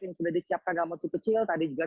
yang sudah disiapkan dalam waktu kecil tadi juga